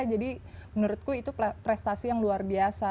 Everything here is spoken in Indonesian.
jadi menurutku itu prestasi yang luar biasa